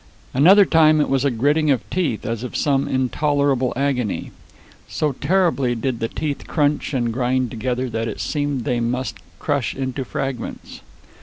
Another time it was a gritting of teeth, as of some intolerable agony. So terribly did the teeth crunch and grind together that it seemed they must crush into fragments.